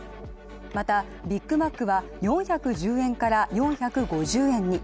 またビッグマックは４１０円から４５０円に。